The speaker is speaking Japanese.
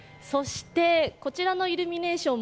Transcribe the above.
こちらのイルミネーション